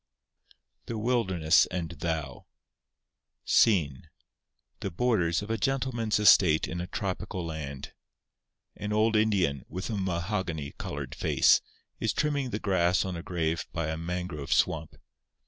The Wilderness and Thou SCENE—The Borders of a Gentleman's Estate in a Tropical Land. An old Indian, with a mahogany coloured face, is trimming the grass on a grave by a mangrove swamp.